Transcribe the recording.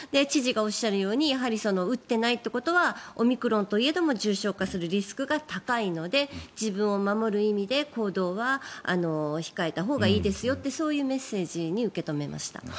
知事がおっしゃるようにやはり打っていないということはオミクロンといえども重症化するリスクが高いので自分を守る意味で行動は控えたほうがいいですよというそういうメッセージに受け止めました。